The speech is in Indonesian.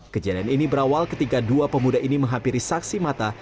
kejadian ini berawal ketika dua pemuda ini menghampiri saksi mata